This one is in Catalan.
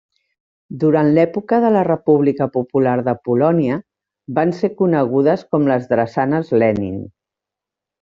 Durant l'època de la República Popular de Polònia van ser conegudes com les Drassanes Lenin.